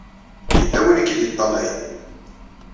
Yella win i k-id-iṭṭalayen.